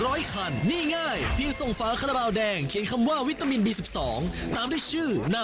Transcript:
โอ้โฮเยอะมากจริงน่ามองจากมุมด้านหน้าก็เยอะค่ะ